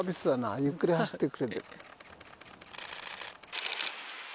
ゆっくり走ってくれてる。